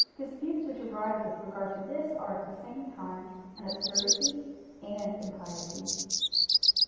Disputes which arise with regard to this, are at the same time an absurdity and impiety.